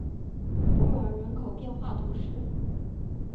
布尔人口变化图示